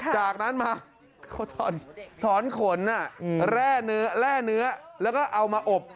จากนั้นมาเขาถอนขนแร่เนื้อแล้วก็เอามาอบ